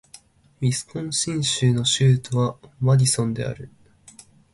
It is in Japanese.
ウィスコンシン州の州都はマディソンである